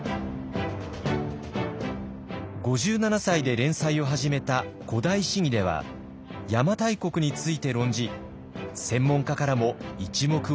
５７歳で連載を始めた「古代史疑」では邪馬台国について論じ専門家からも一目置かれました。